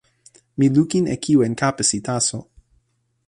mi lukin e kiwen kapesi taso.